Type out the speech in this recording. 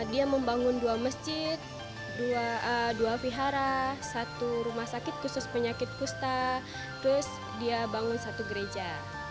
dia membangun dua masjid dua vihara satu rumah sakit khusus penyakit pusta terus dia bangun satu gereja